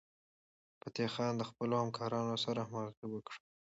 فتح خان د خپلو همکارانو سره همغږي وکړه.